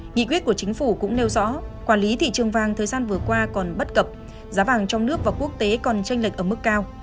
nghị quyết của chính phủ cũng nêu rõ quản lý thị trường vàng thời gian vừa qua còn bất cập giá vàng trong nước và quốc tế còn tranh lệch ở mức cao